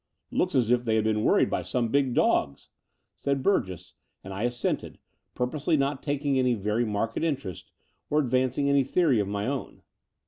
"Looks as if they had been worried by some big dogs," said Burgess; and I assented, purposely not taking any very marked interest or advancing any theory of my own.